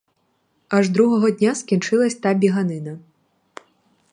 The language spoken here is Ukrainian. Аж другого дня скінчилась та біганина.